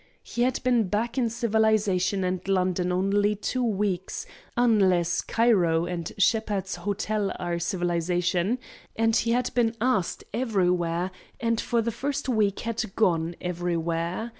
He had been back in civilization and London only two weeks, unless Cairo and Shepheard's Hotel are civilization, and he had been asked everywhere, and for the first week had gone everywhere.